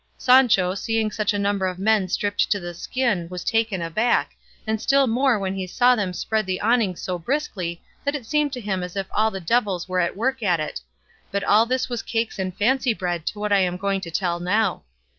Sancho, seeing such a number of men stripped to the skin, was taken aback, and still more when he saw them spread the awning so briskly that it seemed to him as if all the devils were at work at it; but all this was cakes and fancy bread to what I am going to tell now.